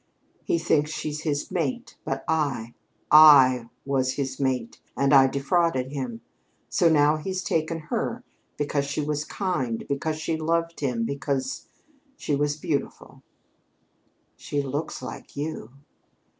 He thinks she's his mate, but, I I was his mate. And I defrauded him. So now he's taken her because she was kind, because she loved him, because she was beautiful!" "She looks like you."